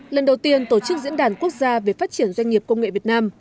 lần đầu tiên tổ chức diễn đàn quốc gia về phát triển doanh nghiệp công nghệ việt nam